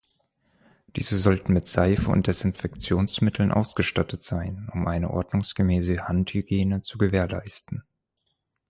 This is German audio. Diese sollten mit Seife und Desinfektionsmitteln ausgestattet sein, um eine ordnungsgemäße Handhygiene zu gewährleisten.